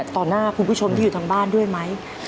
หน้าคุณผู้ชมที่อยู่ทางบ้านด้วยไหม